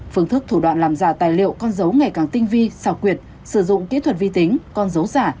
phương thức thủ đoạn làm giả tài liệu con dấu ngày càng tinh vi xảo quyệt sử dụng kỹ thuật vi tính con dấu giả